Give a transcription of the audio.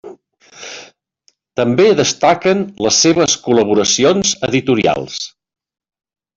També destaquen les seves col·laboracions editorials.